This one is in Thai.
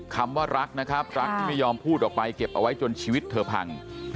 คำว่ารักนะครับรักที่ไม่ยอมพูดออกไปเก็บเอาไว้จนชีวิตเธอพัง